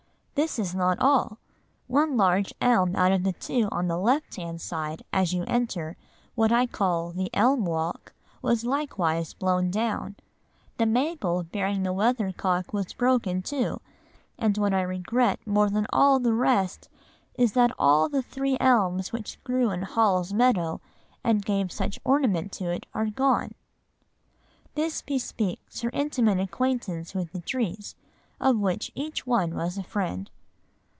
This is not all. One large elm out of the two on the left hand side as you enter, what I call, the elm walk, was likewise blown down; the maple bearing the weathercock was broke in two, and what I regret more than all the rest is that all the three elms which grew in Hall's meadow, and gave such ornament to it, are gone." This bespeaks her intimate acquaintance with the trees, of which each one was a friend.